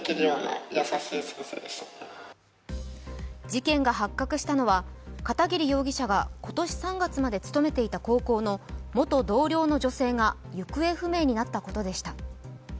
事件が発覚したのは、片桐容疑者が今年３月まで勤めていた高校の元同僚の女性が行方不明になったことでした。